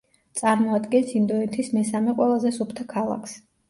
წარმოადგენს ინდოეთის მესამე ყველაზე სუფთა ქალაქს.